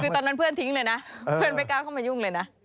คือตอนนั้นเพื่อนทิ้งเลยนะเพื่อนไม่กล้าเข้ามายุ่งเลยนะ